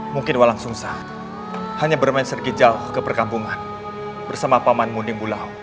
mungkin walang sungsang hanya bermain sergi jauh ke perkampungan bersama paman munding bulau